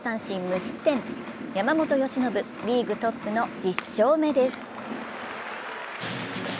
無失点、山本由伸、リーグトップの１０勝目です。